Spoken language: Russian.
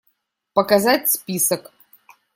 Показать список.